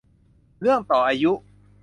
เรื่องต่ออายุ